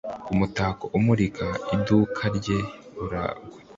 umutako umurika iduka rye ura gwa